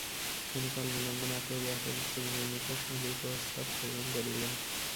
তিনি কালবিলম্ব না করিয়া সবুক্তগীনের নিকট শান্তির প্রস্তাব প্রেরণ করিলেন।